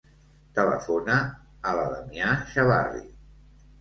Telefona a la Damià Chavarri.